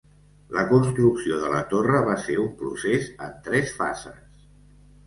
La construcció de la torre va ser un procés en tres fases.